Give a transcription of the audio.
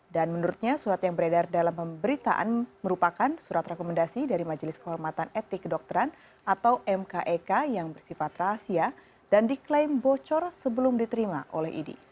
dan menurutnya surat yang beredar dalam pemberitaan merupakan surat rekomendasi dari majelis kehormatan etik dokteran atau mkek yang bersifat rahasia dan diklaim bocor sebelum diterima oleh idi